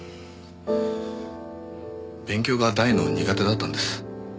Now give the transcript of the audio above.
勉強が大の苦手だったんです。